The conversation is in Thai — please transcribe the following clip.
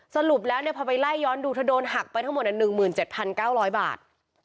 สรุปแล้วพอไปไล่ย้อนดูเธอโดนหักไปทั้งหมด๑๗๙๐๐บาท